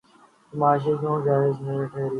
تو معاشی کیوں ناجائز ٹھہری؟